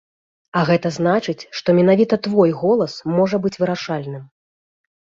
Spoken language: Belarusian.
А гэта значыць, што менавіта твой голас можа быць вырашальным!